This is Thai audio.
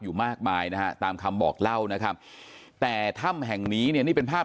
อยู่มากมายนะฮะตามคำบอกเล่านะครับแต่ถ้ำแห่งนี้เนี่ยนี่เป็นภาพ